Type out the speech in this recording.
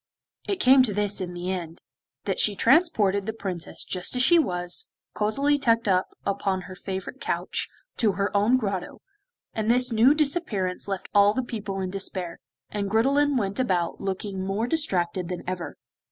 It came to this in the end, that she transported the Princess just as she was, cosily tucked up upon her favourite couch, to her own Grotto, and this new disappearance left all the people in despair, and Gridelin went about looking more distracted than ever.